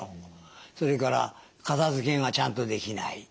それから片付けがちゃんとできない。